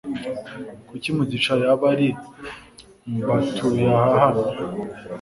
Kuki Mugisha yaba ari mbatuyaha hano?